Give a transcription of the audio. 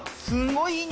すごい。